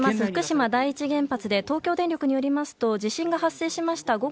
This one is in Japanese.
福島第一原発で東京電力によりますと地震が発生しました